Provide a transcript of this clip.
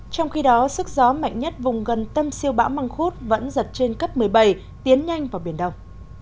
trong khi đó sức gió mạnh nhất vùng gần tâm siêu bão măng khuất vẫn giật trên cấp một mươi bảy tiến nhanh vào biển đông